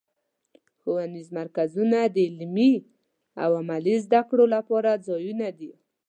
ښوونیز مرکزونه د علمي او عملي زدهکړو لپاره ځایونه دي.